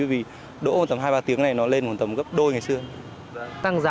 vì đỗ tầm hai ba tiếng này nó lên tầm gấp đôi ngày xưa